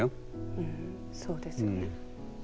うんそうですよね。